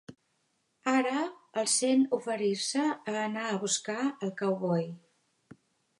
Ara el sent oferir-se a anar a buscar el cowboy.